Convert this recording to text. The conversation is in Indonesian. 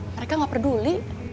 mereka gak peduli